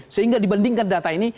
sehingga dibandingkan data ini